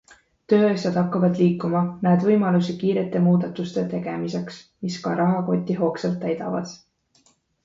Tööasjad hakkavad liikuma, näed võimalusi kiirete muudatuste tegemiseks, mis ka rahakotti hoogsalt täidavad.